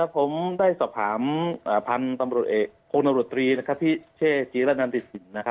ผมได้สอบถามพันธุ์ตำรวจเอกคุณตำรวจตรีพี่เช่จีละนั่นติดสิ่ง